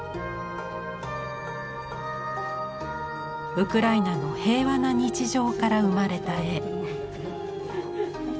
ウクライナの平和な日常から生まれた絵。